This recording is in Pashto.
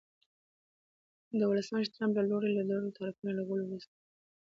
د ولسمشر ټرمپ له لوري د لوړو تعرفو له لګولو وروسته